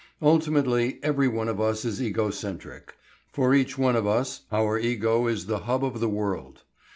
Ultimately every one of us is egocentric. For each one of us our ego is the hub of the world.